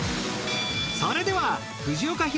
それでは藤岡弘